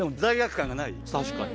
確かに・